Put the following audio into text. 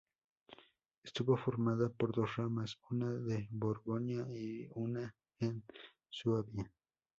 Estuvo formada por dos ramas, una en Borgoña y una en Suabia.